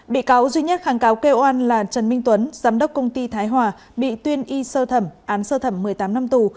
bị cáo duy nhất kháng cáo kêu oan là trần minh tuấn giám đốc công ty thái hòa bị tuyên y sơ thẩm án sơ thẩm một mươi tám năm tù